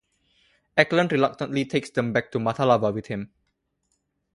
Eckland reluctantly takes them back to Matalava with him.